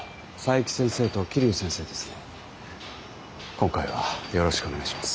今回はよろしくお願いします。